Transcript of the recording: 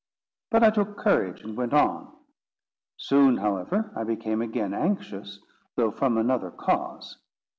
But I took courage and went on. Soon, however, I became again anxious, though from another cause.